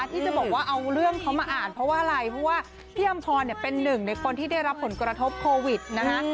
ที่จะบอกว่าเอาเรื่องเขามาอ่านเพราะว่าอะไรเพราะว่าพี่อำพรเนี่ยเป็นหนึ่งในคนที่ได้รับผลกระทบโควิดนะคะ